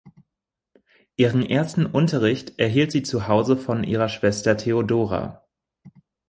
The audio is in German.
Ihren ersten Unterricht erhielt sie zu Hause von ihrer Schwester Theodora.